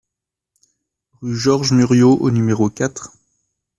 Rue Georges Muriot au numéro quatre